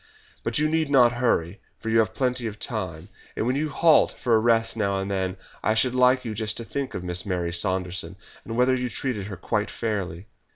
But you need not hurry, for you have plenty of time, and when you halt for a rest now and then, I should like you just to think of Miss Mary Saunderson, and whether you treated her quite fairly."